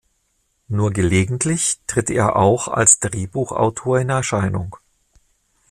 Nur gelegentlich tritt er auch als Drehbuchautor in Erscheinung.